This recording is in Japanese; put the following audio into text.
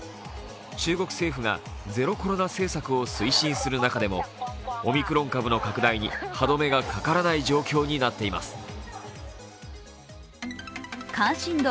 中国政府がゼロコロナ政策を推進する中でもオミクロン株の拡大に歯止めがかからない状況になっています。